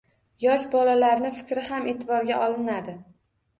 Yosh bolalarni fikri ham eʼtiborga olinadi.